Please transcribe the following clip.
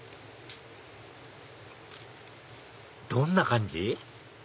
どんな感じ？